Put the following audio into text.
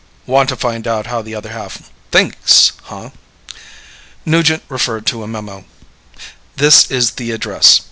"Want to find out how the other half thinks, huh?" Nugent referred to a memo. "This is the address."